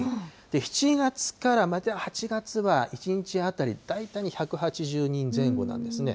７月から、また８月は１日当たり大体１８０人前後なんですね。